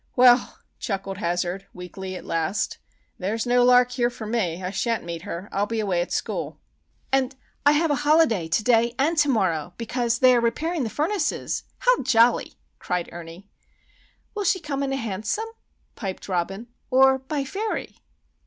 "Well," chuckled Hazard, weakly at last, "there's no lark here for me. I shan't meet her. I'll be away at school." "And I have a holiday to day and to morrow, because they are repairing the furnaces! How jolly!" cried Ernie. "Will she come in a hansom?" piped Robin, "or by fairy?"